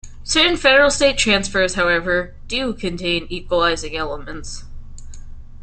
Certain federal-state transfers, however, do contain equalizing elements.